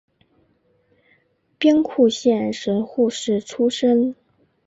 兵库县神户市出身。